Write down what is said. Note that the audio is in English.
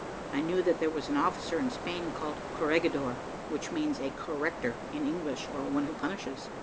I knew that there was an officer in Spain called corregidor, which means a corrector in English, or one who punishes.